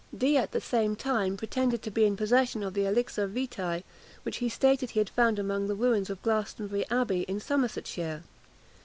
Dee at the same time pretended to be in possession of the elixir vitæ, which he stated he had found among the ruins of Glastonbury Abbey, in Somersetshire.